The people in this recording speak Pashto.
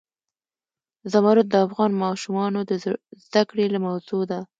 زمرد د افغان ماشومانو د زده کړې موضوع ده.